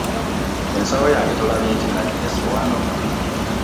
Ensawo yange tolabye nti nagirese wano?